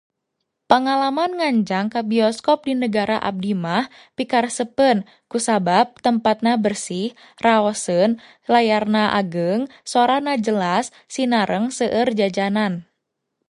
Pangalaman nganjang ka bioskop di nagara abdimah pikarespeun, kusabab tempatna bersih, raoseun, layarna ageung, sora na jelas, sinareng seueur jajanan.